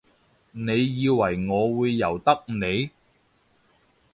你以為我會由得你？